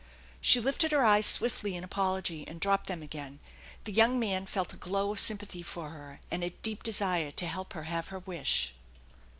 She lifted her eyes swiftly in apology, and dropped them again; the young man felt a glow of sympathy for her, and a deep desire to help her have her wish.